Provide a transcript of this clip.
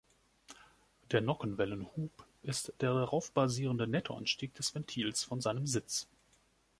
Der Nockenwellen-"Hub" ist der darauf basierende Nettoanstieg des Ventils von seinem Sitz.